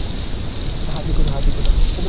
হ্যাঁ, ঠিক কথা।